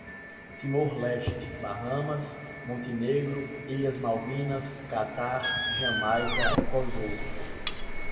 Timor-Leste, Bahamas, Montenegro, Ilhas Malvinas, Catar, Jamaica, Kosovo